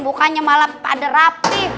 bukannya malah pada rapi